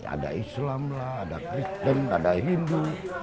ada islam lah ada kristen ada hindu